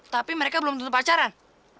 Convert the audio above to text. tapi mereka belum tutup pacaran